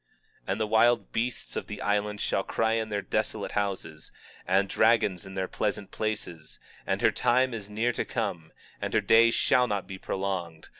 23:22 And the wild beasts of the islands shall cry in their desolate houses, and dragons in their pleasant palaces; and her time is near to come, and her day shall not be prolonged.